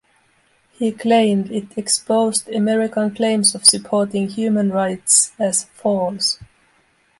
He claimed it exposed American claims of supporting human rights as "false".